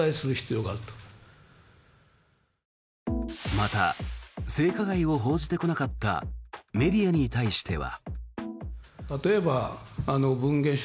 また性加害を報じてこなかったメディアに対しては。